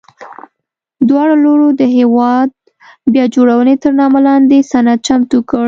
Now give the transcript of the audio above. دواړو لورو د هېواد بیا جوړونې تر نامه لاندې سند چمتو کړ.